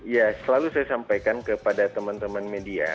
ya selalu saya sampaikan kepada teman teman media